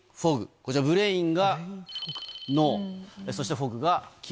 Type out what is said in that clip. こちら、ブレインが脳、そしてフォグが霧。